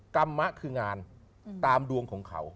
กรรมะคืองานตามดวงของเขา